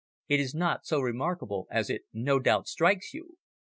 It is not so remarkable as it no doubt strikes you.